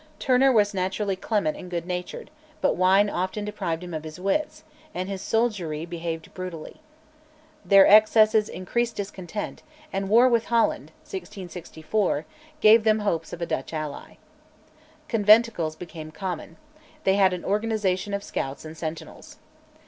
Turner was naturally clement and good natured, but wine often deprived him of his wits, and his soldiery behaved brutally. Their excesses increased discontent, and war with Holland (1664) gave them hopes of a Dutch ally. Conventicles became common; they had an organisation of scouts and sentinels.